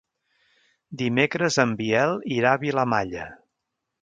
Dimecres en Biel irà a Vilamalla.